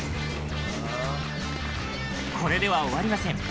これでは終わりません。